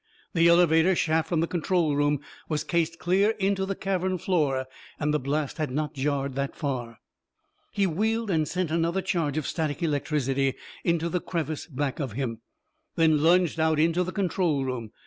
The elevator shaft from the control room was cased clear into the cavern floor, and the blast had not jarred this far. He wheeled and sent another charge of static electricity into the crevice back of him, then lunged out into the control room.